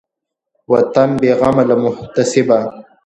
وطن بېغمه له محتسبه